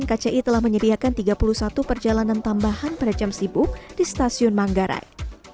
kci telah menyediakan tiga puluh satu perjalanan tambahan pada jam sibuk di stasiun manggarai